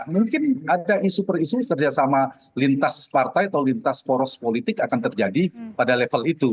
mungkin ada isu per isu kerjasama lintas partai atau lintas poros politik akan terjadi pada level itu